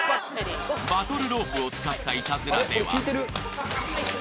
［バトルロープを使ったイタズラでは］